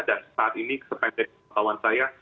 dan saat ini sepenuhnya